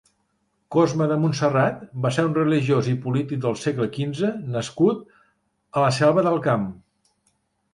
Cosme de Montserrat va ser un religiós i polític del segle quinze nascut a la Selva del Camp.